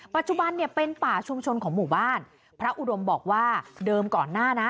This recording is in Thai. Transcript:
ปัจจุบันเนี่ยเป็นป่าชุมชนของหมู่บ้านพระอุดมบอกว่าเดิมก่อนหน้านะ